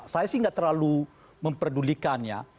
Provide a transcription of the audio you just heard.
saya sih nggak terlalu memperdulikannya